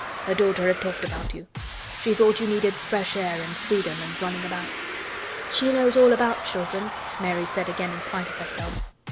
Her daughter had talked about you. She thought you needed fresh air and freedom and running about." "She knows all about children," Mary said again in spite of herself.